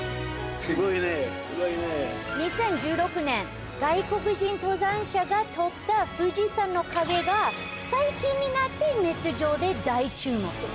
２０１６年外国人登山者が撮った富士山の影が最近になってネット上で大注目。